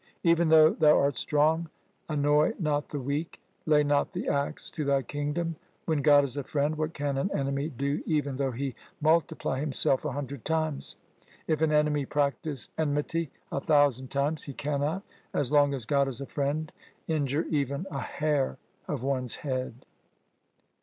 Even though thou art strong, annoy not the weak. Lay not the axe to thy kingdom. When God is a friend, what can an enemy do even though he multiply himself a hundred times ? If an enemy practise enmity a thousand times, he cannot, as long as God is a friend, injure even a hair of one's head.'